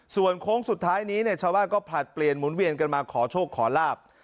ส่วนโค้งสุดท้ายนี้เนี่ยชาวบ้านก็ผลัดเปลี่ยนหมุนเวียนกันมาขอโชคขอลาบ